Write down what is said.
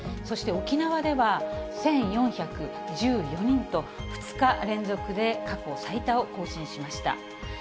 そして沖縄では１４１４人と、２日連続で過去最多を更新しました。